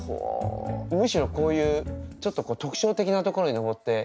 むしろこういうちょっと特徴的なところに登って。